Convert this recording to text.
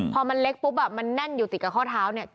พอมันเล็กปุ๊บมันแน่นอยู่ติดกับข้อเท้าเนี่ย